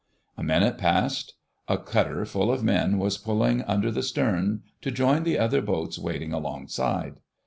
A minute passed; a cutter full of men was pulling under the stern to join the other boats waiting alongside.